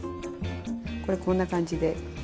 これこんな感じで。